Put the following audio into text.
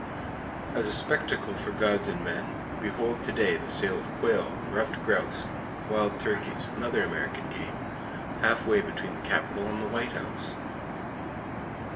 As a spectacle for gods and men, behold to day the sale of quail, ruffed grouse, wild turkeys and other American game, half way between the Capitol and the White House!